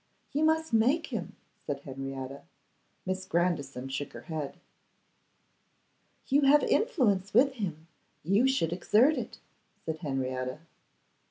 'You must make him,' said Henrietta. Miss Grandison shook her head. 'You have influence with him; you should exert it,' said Henrietta.